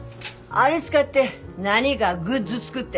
あれ使って何がグッズ作って。